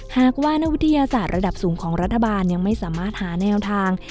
หากว่านักวิทยาศาสตร์ระดับสูงของรัฐบาลยังไม่สามารถหาแนวทาง